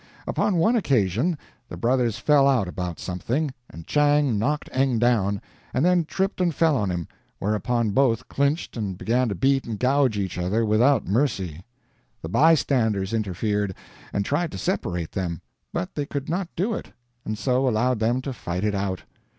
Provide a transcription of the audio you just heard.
Upon one occasion the brothers fell out about something, and Chang knocked Eng down, and then tripped and fell on him, whereupon both clinched and began to beat and gouge each other without mercy. The bystanders interfered, and tried to separate them, but they could not do it, and so allowed them to fight it out.